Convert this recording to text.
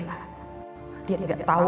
dia tidak tahu apa yang dia lakukan